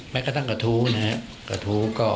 ไม่กระทุนะครับกระทุก็